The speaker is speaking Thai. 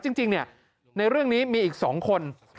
จริงในเรื่องนี้มีอีก๒คน